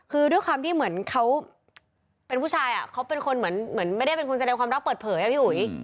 คือด้วยความที่เหมือนเขาเป็นผู้ชายเขาเป็นคนเหมือนไม่ได้เป็นคนแสดงความรักเปิดเผยอะพี่อุ๋ย